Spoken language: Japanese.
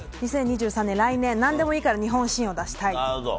２０２３年、来年何でもいいから日本新を出したい。